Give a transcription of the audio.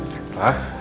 kamu gak sama reina